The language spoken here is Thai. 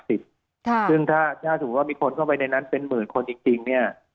ซึ่งถ้าสมมุติว่ามีคนเข้าไปในนั้นเป็นหมื่นคนจริงเนี่ย